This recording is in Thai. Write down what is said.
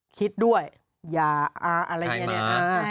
คิดด้วยยาอะไรอย่างนี้นะฮะ